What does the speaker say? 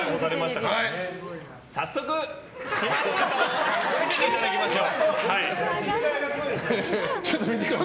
早速、暇ネタを見せていただきましょう。